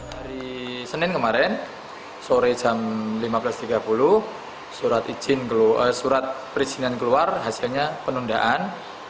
hari senin kemarin sore jam lima belas tiga puluh surat perizinan keluar hasilnya penundaan